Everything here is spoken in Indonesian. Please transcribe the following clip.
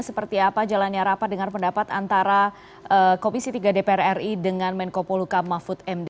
seperti apa jalannya rapat dengan pendapat antara komisi tiga dpr ri dengan menko poluka mahfud md